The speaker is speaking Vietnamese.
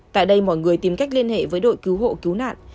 tại đây mọi người tìm cách liên hệ với đội cứu hộ cứu nạn